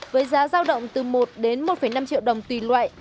với giá giao động từ một đến một năm triệu đồng tùy loại